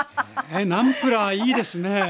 えナムプラーいいですね